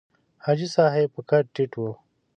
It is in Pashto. حاجي صاحب په قد ټیټ و.